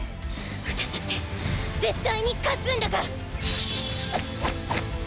私だって絶対に勝つんだから！